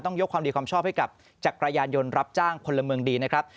ยกความดีความชอบให้กับจักรยานยนต์รับจ้างพลเมืองดีนะครับ